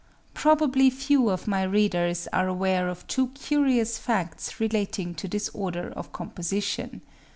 Probably few of my readers are aware of two curious facts relating to this order of composition.